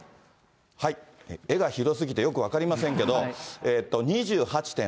えが広すぎてよく分かりませんけど、２８．８度。